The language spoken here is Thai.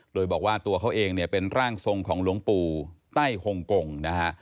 โดยบอกว่าตัวเขาเองเนี่ยเป็นร่างทรงของหลวงปู่ไต้หงกงนะฮะ